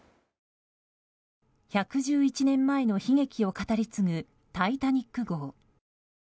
１１１年前の悲劇を語り継ぐ「タイタニック号」。